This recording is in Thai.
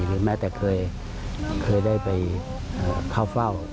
หรือแม้แต่เคยได้ไปเผา